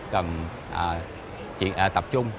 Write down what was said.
cần tập trung